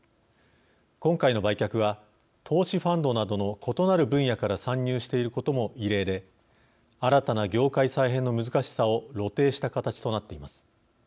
今回の売却は投資ファンドなどの異なる分野から参入していることも異例で新たな業界再編の難しさを露呈した形となっています。